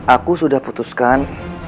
aku sudah putuskan